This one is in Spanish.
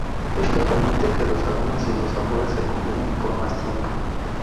Esto permite que los aromas y los sabores se combinen por más tiempo.